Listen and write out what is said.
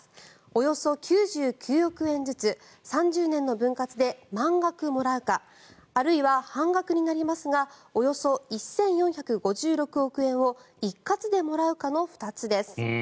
およそ９９億円ずつ３０年の分割で満額もらうかあるいは半額になりますがおよそ１４５６億円を一括でもらうかの２つです。